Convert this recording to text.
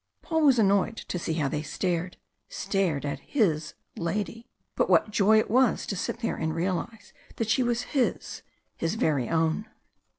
Paul was annoyed to see how they stared stared at his lady. But what joy it was to sit there and realise that she was his his very own!